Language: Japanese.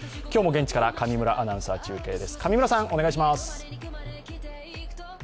今日も現地から上村アナウンサー中継です。